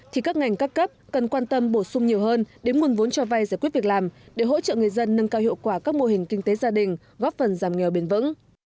thì các ngành các cấp cần quan tâm bổ sung nhiều hơn đến nguồn vốn cho vay giải quyết việc làm để hỗ trợ người dân nâng cao hiệu quả các mô hình kinh tế gia đình góp phần giảm nghèo bền vững